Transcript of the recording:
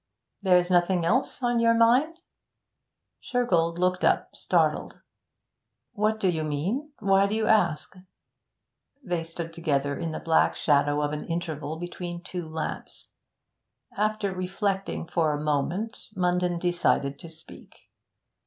'There's nothing else on your mind?' Shergold looked up, startled. 'What do you mean? Why do you ask?' They stood together in the black shadow of an interval between two lamps. After reflecting for a moment, Munden decided to speak.